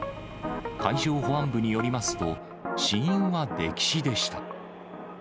海上保安部によりますと、死因は溺死でした。